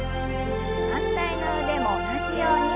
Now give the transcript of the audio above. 反対の腕も同じように。